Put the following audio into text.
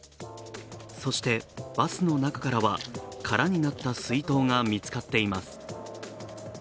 そしてバスの中からは空になった水筒が見つかっています。